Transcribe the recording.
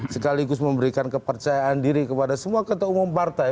sekaligus memberikan kepercayaan diri kepada semua ketua umum partai